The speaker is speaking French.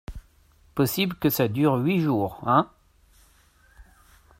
Possible que ça dure huit jours, hein?...